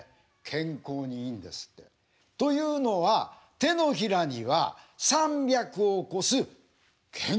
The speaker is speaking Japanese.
健康にいいんですって。というのは手のひらには３００を超す健康のツボあるの。